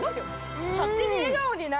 勝手に笑顔になれる。